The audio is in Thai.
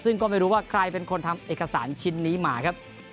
ซึ่งก็ไม่รู้ว่าใครเป็นคนทำเอกสารชิ้นนี้มาครับ